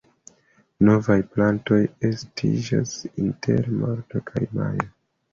Novaj plantoj estiĝas inter marto kaj majo.